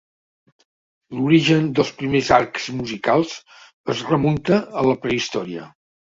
L’origen dels primers arcs musicals es remunta a la prehistòria.